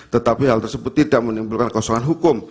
tetapi hal tersebut tidak menimbulkan kekosongan hukum